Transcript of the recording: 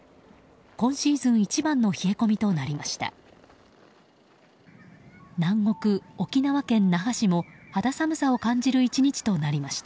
今シーズン一番の冷え込みとなりました。